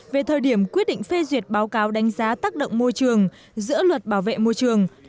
về thời điểm quyết định phê duyệt báo cáo đánh giá tác động môi trường giữa luật bảo vệ môi trường